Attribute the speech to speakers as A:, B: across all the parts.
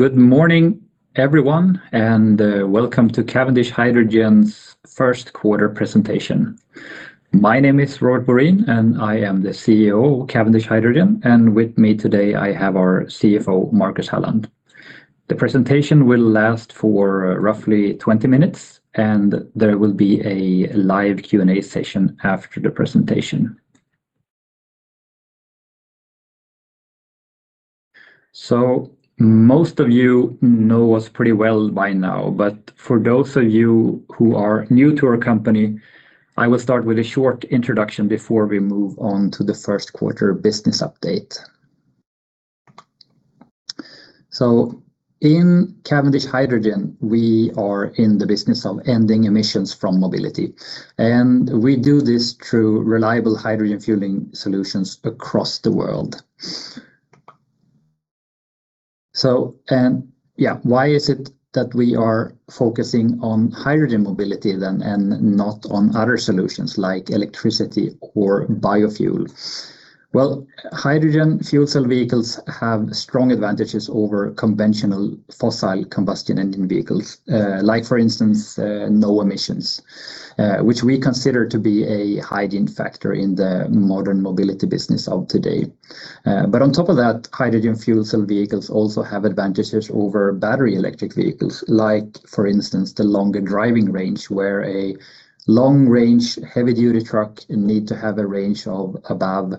A: Good morning, everyone, and welcome to Cavendish Hydrogen's first quarter presentation. My name is Rob Borin, and I am the CEO of Cavendish Hydrogen, and with me today I have our CFO, Marcus Halland. The presentation will last for roughly 20 minutes, and there will be a live Q&A session after the presentation. Most of you know us pretty well by now, but for those of you who are new to our company, I will start with a short introduction before we move on to the first quarter business update. In Cavendish Hydrogen, we are in the business of ending emissions from mobility, and we do this through reliable hydrogen fueling solutions across the world. Why is it that we are focusing on hydrogen mobility, then, and not on other solutions like electricity or biofuel? Well, hydrogen fuel cell vehicles have strong advantages over conventional fossil combustion engine vehicles. Like, for instance, no emissions, which we consider to be a hygiene factor in the modern mobility business of today. On top of that, hydrogen fuel cell vehicles also have advantages over battery electric vehicles, like for instance, the longer driving range, where a long range, heavy duty truck need to have a range of above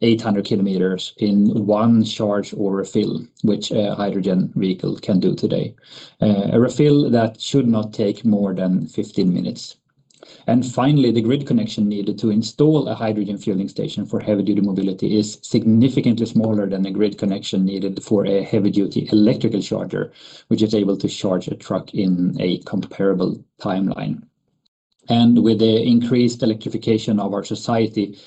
A: 800 km in one charge or refill, which a hydrogen vehicle can do today. A refill that should not take more than 15 minutes. Finally, the grid connection needed to install a hydrogen fueling station for heavy duty mobility is significantly smaller than the grid connection needed for a heavy duty electrical charger, which is able to charge a truck in a comparable timeline. With the increased electrification of our society,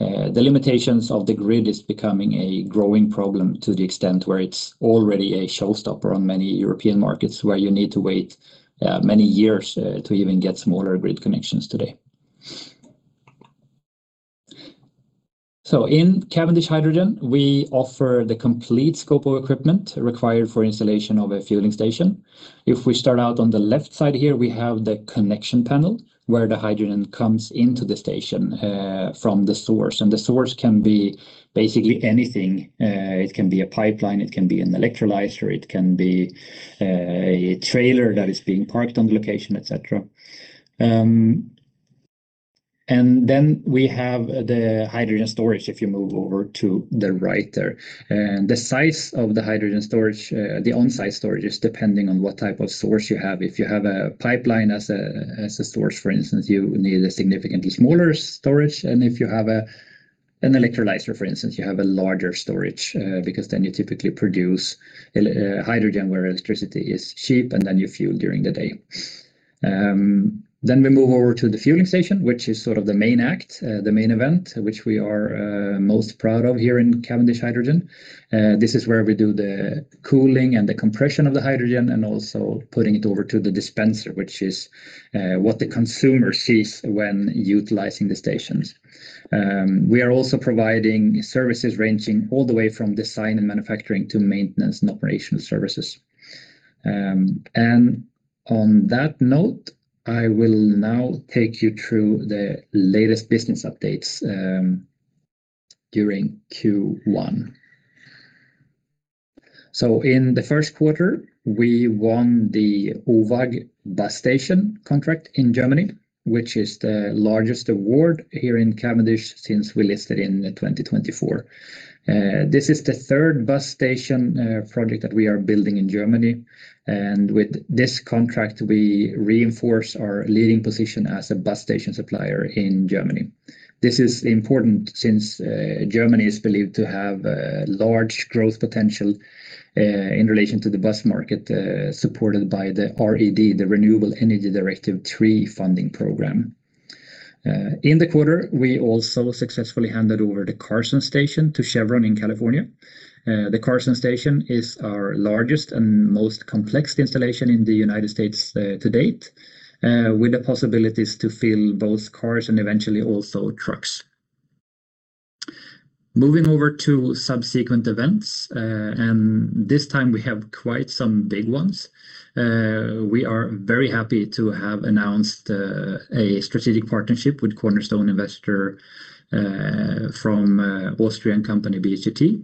A: the limitations of the grid is becoming a growing problem to the extent where it's already a showstopper on many European markets, where you need to wait many years to even get smaller grid connections today. In Cavendish Hydrogen, we offer the complete scope of equipment required for installation of a fueling station. If we start out on the left side here, we have the connection panel where the hydrogen comes into the station from the source. The source can be basically anything. It can be a pipeline, it can be an electrolyzer, it can be a trailer that is being parked on location, et cetera. Then we have the hydrogen storage, if you move over to the right there. The size of the hydrogen storage, the on-site storage, is depending on what type of source you have. If you have a pipeline as a source, for instance, you need a significantly smaller storage. If you have an electrolyzer, for instance, you have a larger storage, because then you typically produce hydrogen where electricity is cheap, and then you fuel during the day. We move over to the fueling station, which is sort of the main act, the main event, which we are most proud of here in Cavendish Hydrogen. This is where we do the cooling and the compression of the hydrogen, and also putting it over to the dispenser, which is what the consumer sees when utilizing the stations. We are also providing services ranging all the way from design and manufacturing to maintenance and operational services. On that note, I will now take you through the latest business updates during Q1. In the first quarter, we won the OVAG bus station contract in Germany, which is the largest award here in Cavendish since we listed in 2024. This is the third bus station project that we are building in Germany. With this contract, we reinforce our leading position as a bus station supplier in Germany. This is important since Germany is believed to have large growth potential in relation to the bus market, supported by the RED, the Renewable Energy Directive III funding program. In the quarter, we also successfully handed over the Carson station to Chevron in California. The Carson station is our largest and most complex installation in the U.S. to date, with the possibilities to fill both cars and eventually also trucks. Moving over to subsequent events, and this time we have quite some big ones. We are very happy to have announced a strategic partnership with cornerstone investor from Austrian company, BHDT,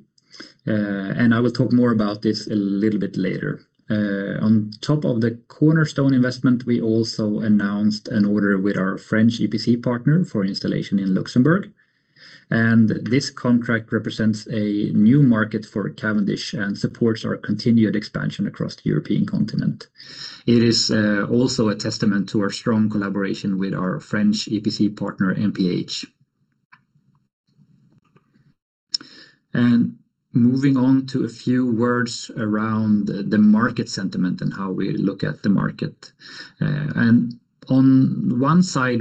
A: and I will talk more about this a little bit later. On top of the cornerstone investment, we also announced an order with our French EPC partner for installation in Luxembourg. This contract represents a new market for Cavendish and supports our continued expansion across the European continent. It is also a testament to our strong collaboration with our French EPC partner, MPH. Moving on to a few words around the market sentiment and how we look at the market. On one side,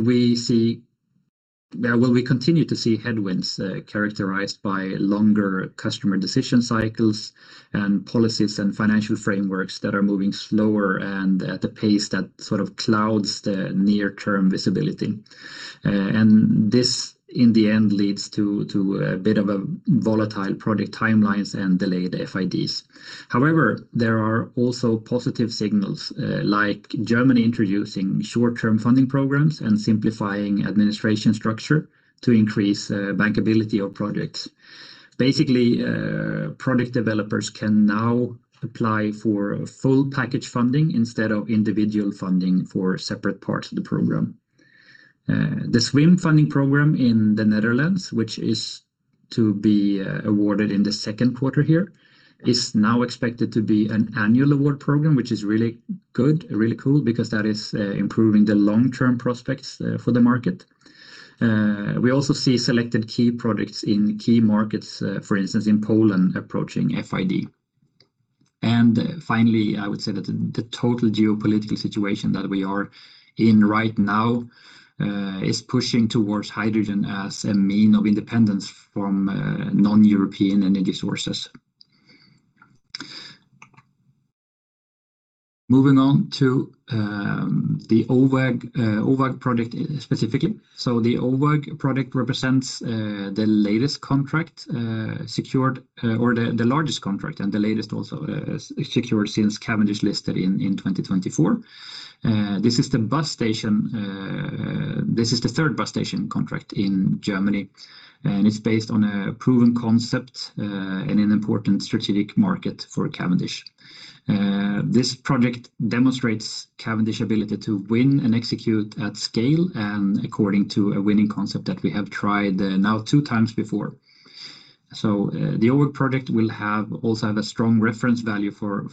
A: we continue to see headwinds characterized by longer customer decision cycles and policies and financial frameworks that are moving slower and at a pace that sort of clouds the near-term visibility. This, in the end, leads to a bit of a volatile project timelines and delayed FIDs. However, there are also positive signals, like Germany introducing short-term funding programs and simplifying administration structure to increase bankability of projects. Basically, project developers can now apply for full package funding instead of individual funding for separate parts of the program. The SWIM funding program in the Netherlands, which is to be awarded in the second quarter here, is now expected to be an annual award program, which is really good, really cool, because that is improving the long-term prospects for the market. We also see selected key projects in key markets, for instance, in Poland approaching FID. Finally, I would say that the total geopolitical situation that we are in right now is pushing towards hydrogen as a mean of independence from non-European energy sources. Moving on to the OVAG project specifically. The OVAG project represents the latest contract secured, or the largest contract and the latest also secured since Cavendish listed in 2024. This is the third bus station contract in Germany, and it's based on a proven concept and an important strategic market for Cavendish. This project demonstrates Cavendish's ability to win and execute at scale and according to a winning concept that we have tried now two times before. The OVAG project will also have a strong reference value for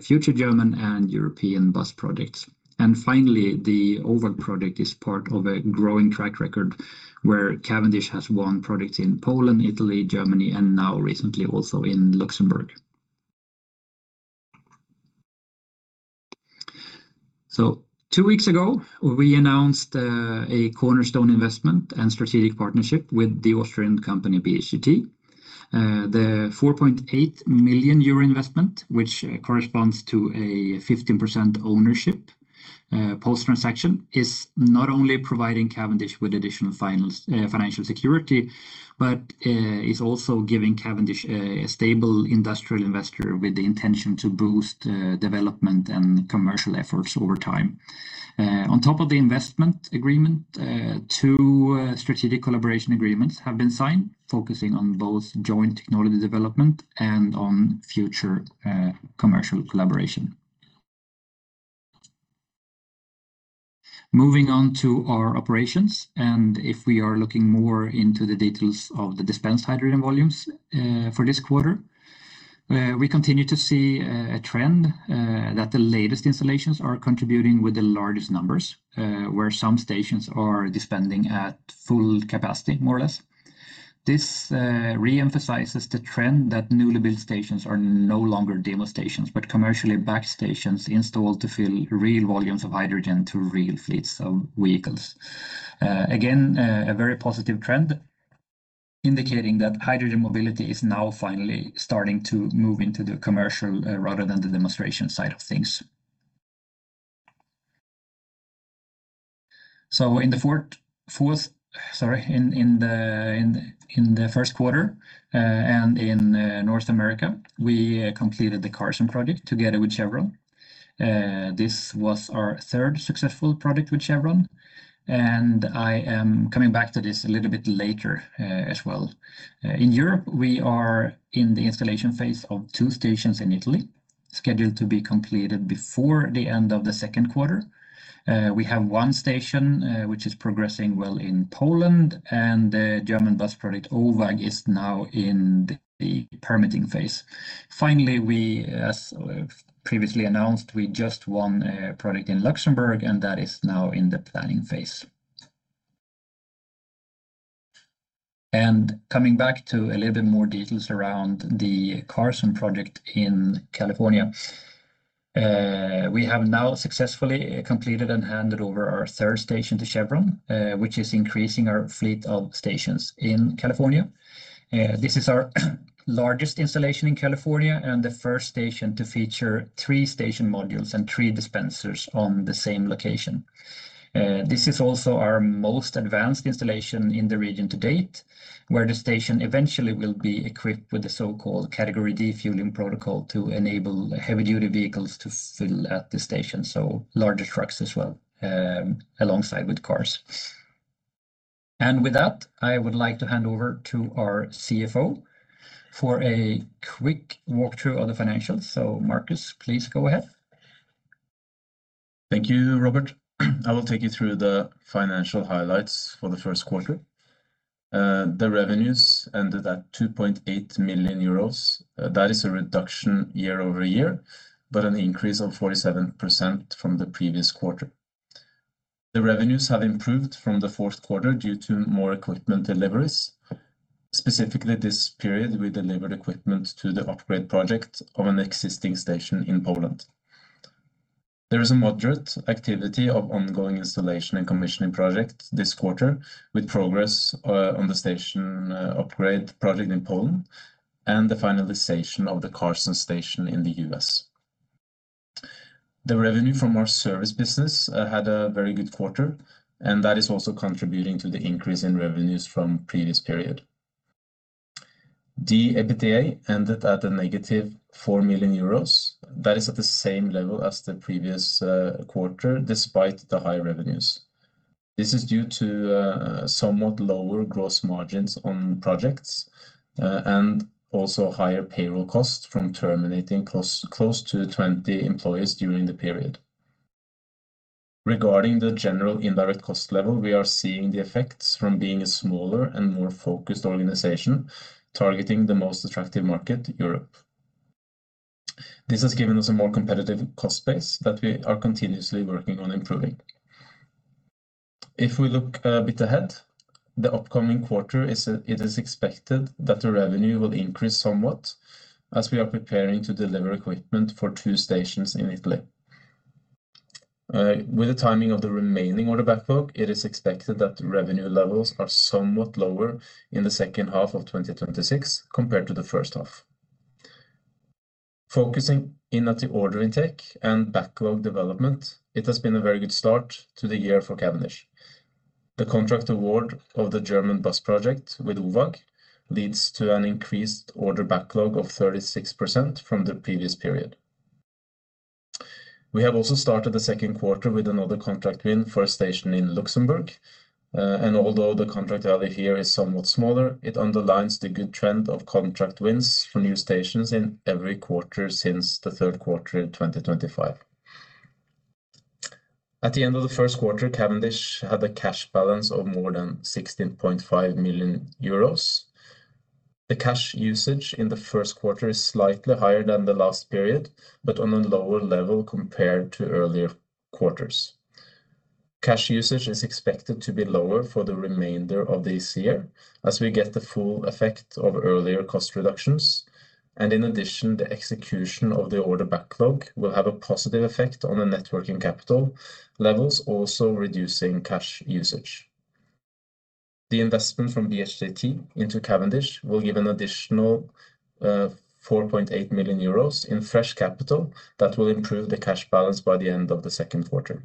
A: future German and European bus projects. Finally, the OVAG project is part of a growing track record where Cavendish has won projects in Poland, Italy, Germany, and now recently also in Luxembourg. Two weeks ago, we announced a cornerstone investment and strategic partnership with the Austrian company BHDT. The 4.8 million euro investment, which corresponds to a 15% ownership post-transaction, is not only providing Cavendish with additional financial security but is also giving Cavendish a stable industrial investor with the intention to boost development and commercial efforts over time. On top of the investment agreement, two strategic collaboration agreements have been signed, focusing on both joint technology development and on future commercial collaboration. Moving on to our operations, if we are looking more into the details of the dispensed hydrogen volumes for this quarter, we continue to see a trend that the latest installations are contributing with the largest numbers, where some stations are dispensing at full capacity, more or less. This reemphasizes the trend that newly built stations are no longer demo stations, but commercially backed stations installed to fill real volumes of hydrogen to real fleets of vehicles. A very positive trend indicating that hydrogen mobility is now finally starting to move into the commercial rather than the demonstration side of things. In the first quarter and in North America, we completed the Carson project together with Chevron. This was our third successful project with Chevron, and I am coming back to this a little bit later as well. In Europe, we are in the installation phase of two stations in Italy, scheduled to be completed before the end of the second quarter. We have one station which is progressing well in Poland, and the German bus project OVAG is now in the permitting phase. As previously announced, we just won a project in Luxembourg, and that is now in the planning phase. Coming back to a little bit more details around the Carson project in California. We have now successfully completed and handed over our third station to Chevron, which is increasing our fleet of stations in California. This is our largest installation in California and the first station to feature three station modules and three dispensers on the same location. This is also our most advanced installation in the region to date, where the station eventually will be equipped with the so-called category D fueling protocol to enable heavy-duty vehicles to fill at the station, so larger trucks as well, alongside with cars. With that, I would like to hand over to our CFO for a quick walkthrough of the financials. Marcus, please go ahead.
B: Thank you, Robert. I will take you through the financial highlights for the first quarter. The revenues ended at 2.8 million euros. That is a reduction year-over-year, but an increase of 47% from the previous quarter. The revenues have improved from the fourth quarter due to more equipment deliveries. Specifically this period, we delivered equipment to the upgrade project of an existing station in Poland. There is a moderate activity of ongoing installation and commissioning projects this quarter, with progress on the station upgrade project in Poland and the finalization of the Carson station in the U.S. The revenue from our service business had a very good quarter, and that is also contributing to the increase in revenues from the previous period. The EBITDA ended at a -4 million euros. That is at the same level as the previous quarter, despite the high revenues. This is due to somewhat lower gross margins on projects and also higher payroll costs from terminating close to 20 employees during the period. Regarding the general indirect cost level, we are seeing the effects from being a smaller and more focused organization targeting the most attractive market, Europe. This has given us a more competitive cost base that we are continuously working on improving. If we look a bit ahead, the upcoming quarter, it is expected that the revenue will increase somewhat as we are preparing to deliver equipment for two stations in Italy. With the timing of the remaining order backlog, it is expected that revenue levels are somewhat lower in the second half of 2026 compared to the first half. Focusing in at the order intake and backlog development, it has been a very good start to the year for Cavendish. The contract award of the German bus project with OVAG leads to an increased order backlog of 36% from the previous period. We have also started the second quarter with another contract win for a station in Luxembourg. Although the contract value here is somewhat smaller, it underlines the good trend of contract wins for new stations in every quarter since the third quarter in 2025. At the end of the first quarter, Cavendish had a cash balance of more than 16.5 million euros. The cash usage in the first quarter is slightly higher than the last period, but on a lower level compared to earlier quarters. Cash usage is expected to be lower for the remainder of this year as we get the full effect of earlier cost reductions. In addition, the execution of the order backlog will have a positive effect on the net working capital levels, also reducing cash usage. The investment from BHDT into Cavendish will give an additional 4.8 million euros in fresh capital that will improve the cash balance by the end of the second quarter.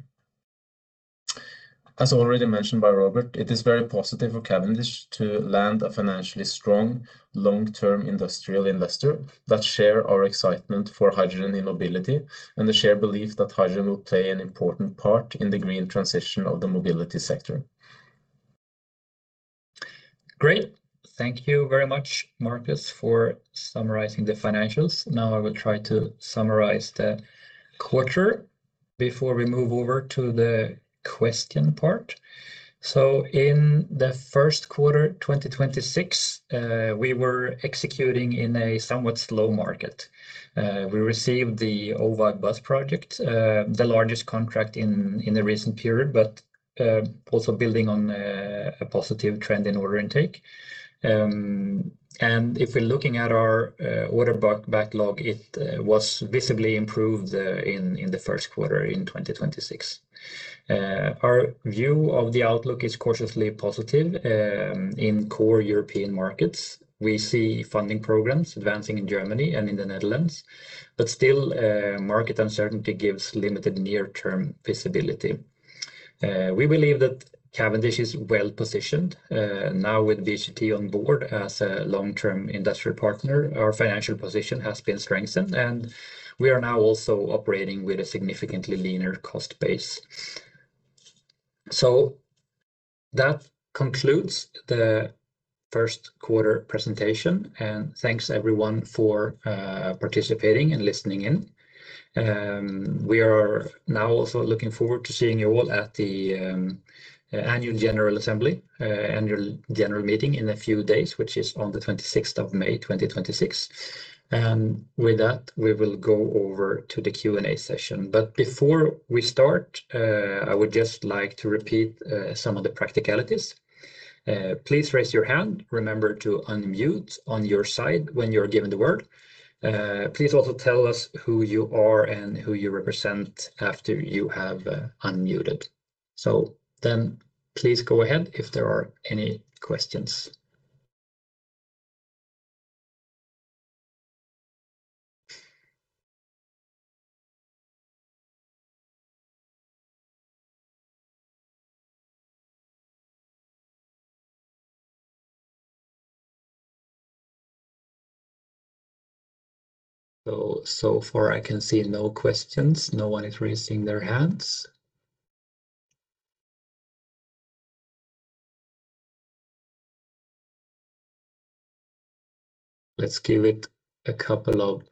B: As already mentioned by Robert, it is very positive for Cavendish to land a financially strong, long-term industrial investor that share our excitement for hydrogen in mobility and the shared belief that hydrogen will play an important part in the green transition of the mobility sector.
A: Great. Thank you very much, Marcus, for summarizing the financials. I will try to summarize the quarter before we move over to the question part. In the first quarter 2026, we were executing in a somewhat slow market. We received the OVAG bus project, the largest contract in the recent period, but also building on a positive trend in order intake. If we're looking at our order backlog, it was visibly improved in the first quarter in 2026. Our view of the outlook is cautiously positive in core European markets. We see funding programs advancing in Germany and in the Netherlands, but still market uncertainty gives limited near-term visibility. We believe that Cavendish is well-positioned now with BHDT on board as a long-term industrial partner. Our financial position has been strengthened, and we are now also operating with a significantly leaner cost base. That concludes the first quarter presentation, and thanks everyone for participating and listening in. We are now also looking forward to seeing you all at the annual general assembly, annual general meeting in a few days, which is on May 26 2026. With that, we will go over to the Q&A session. Before we start, I would just like to repeat some of the practicalities. Please raise your hand. Remember to unmute on your side when you are given the word. Please also tell us who you are and who you represent after you have unmuted. Then please go ahead if there are any questions. So far I can see no questions. No one is raising their hands. Let's give it a couple of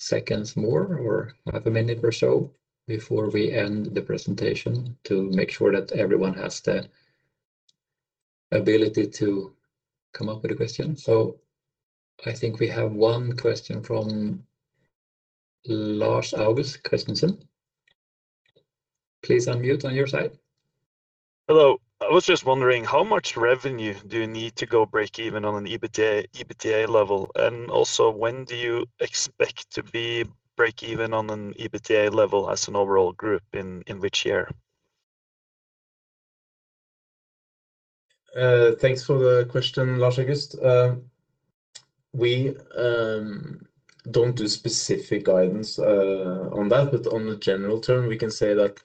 A: seconds more or half a minute or so before we end the presentation to make sure that everyone has the ability to come up with a question. I think we have one question from Lars August Christensen. Please unmute on your side.
C: Hello. I was just wondering, how much revenue do you need to go breakeven on an EBITDA level? Also, when do you expect to be breakeven on an EBITDA level as an overall group, in which year?
B: Thanks for the question, Lars August. We don't do specific guidance on that, but on a general term, we can say that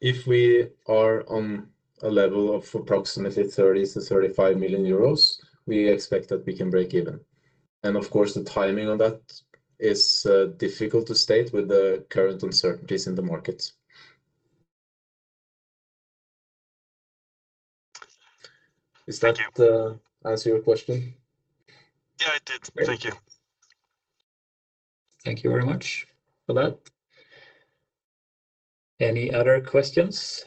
B: if we are on a level of approximately 30 million-35 million euros, we expect that we can breakeven. Of course, the timing on that is difficult to state with the current uncertainties in the market. Does that answer your question?
C: Yeah, it did. Thank you.
A: Thank you very much for that. Any other questions?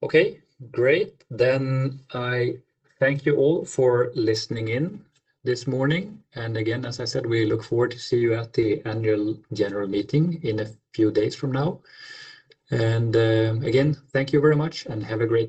A: Okay, great. I thank you all for listening in this morning. Again, as I said, we look forward to see you at the annual general meeting in a few days from now. Again, thank you very much and have a great day.